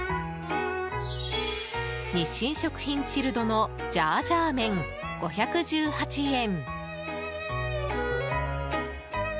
日清食品チルドのジャージャー麺５１８円。